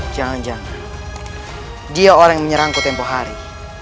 jangan jangan dia orang yang menyerangku tempoh hari